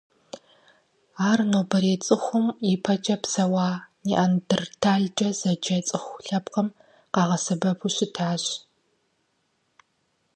Ар нобэрей цӏыхум ипэкӏэ псэуа Неандрталкӏэ зэджэ цӏыху лъэпкъым къагъэсэбэпу щытащ.